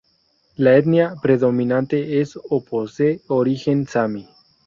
La etnia predominante es o posee origen sami.